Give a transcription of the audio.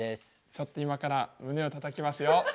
ちょっと今から胸をたたきますよ。